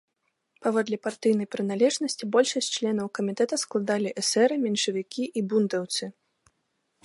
Паводле партыйнай прыналежнасці большасць членаў камітэта складалі эсэры, меншавікі і бундаўцы.